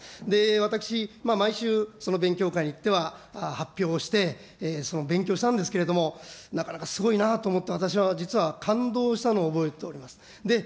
私、毎週、その勉強会に行っては発表をして、その勉強したんですけれども、なかなかすごいなと思って、私は実は感動したのを覚えております。